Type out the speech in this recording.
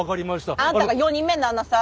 あんたが４人目になんなさい！